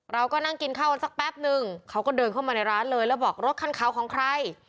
เราก็นั่งกินข้าวกันสักแป๊บนึงเขาก็เดินเข้ามาในร้านเลยแล้วบอกรถคันขาวของใคร